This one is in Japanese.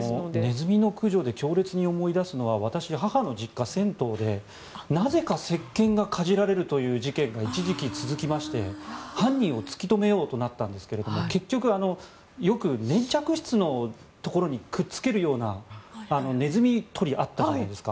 ネズミの駆除で強烈に思い出すのは私、母の実家、銭湯でなぜかせっけんがかじられるという事件が一時期続きまして犯人を突き止めようとなったんですが結局、よく粘着質のところにくっつけるようなネズミ捕りあったじゃないですか。